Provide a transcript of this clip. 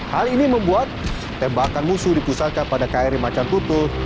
hal ini membuat tembakan musuh dipusatkan pada kri macan tutul